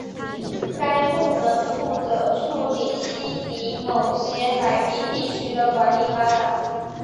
该部门专责处理悉尼某些海滨地区的管理发展。